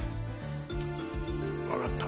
分かった。